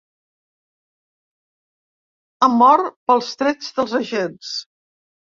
Ha mort pels trets dels agents.